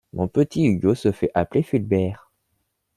Mon petit Hugo se fait appeler «Fulbert».